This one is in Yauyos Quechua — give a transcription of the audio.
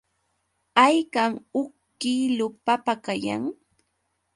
¿Haykam huk kiilu papa kayan?